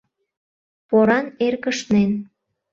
Поран эркышнен.